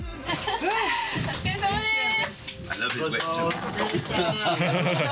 ・お疲れさまです！